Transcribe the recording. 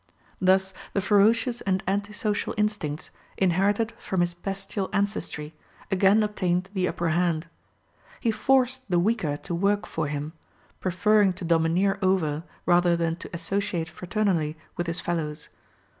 Thus the ferocious and anti social instincts, inherited from his bestial ancestry, again obtained the upper hand. He forced the weaker to work for him, preferring to domineer over rather than to associate fraternally with his fellows.